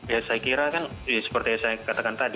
ya saya kira kan seperti yang saya katakan tadi